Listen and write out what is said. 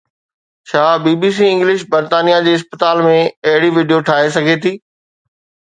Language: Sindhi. ڇا بي بي سي انگلش برطانيه جي اسپتال ۾ اهڙي وڊيو ٺاهي سگهي ٿي؟